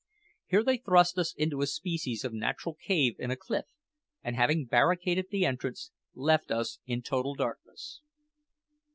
Here they thrust us into a species of natural cave in a cliff, and having barricaded the entrance, left us in total darkness.